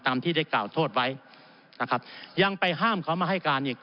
ตามที่ได้กล่าวโทษไว้ยังไปห้ามเขามาให้การอีก